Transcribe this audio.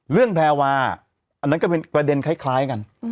แพรวาอันนั้นก็เป็นประเด็นคล้ายกัน